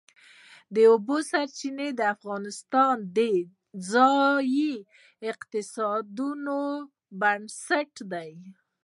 د اوبو سرچینې د افغانستان د ځایي اقتصادونو بنسټ دی.